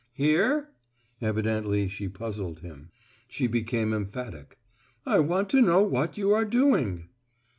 "Here?" Evidently she puzzled him. She became emphatic. "I want to know what you are doing."